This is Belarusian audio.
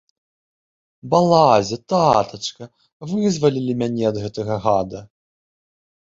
Балазе, татачка, вызвалілі мяне ад гэтага гада.